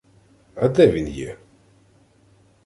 — А де він є?